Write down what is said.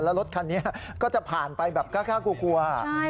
แล้วรถคันนี้ก็จะผ่านไปแบบกล้ากลัว